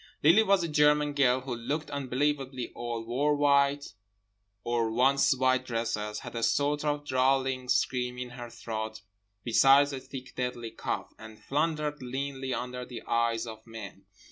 Lily was a German girl, who looked unbelievably old, wore white, or once white dresses, had a sort of drawling scream in her throat besides a thick deadly cough, and floundered leanly under the eyes of men.